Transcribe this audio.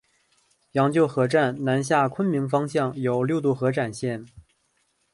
羊臼河站南下昆明方向有六渡河展线。